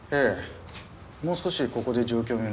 もう少しここで状況を見ます。